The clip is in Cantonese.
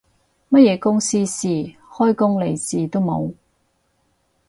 乜嘢公司事，開工利是都冇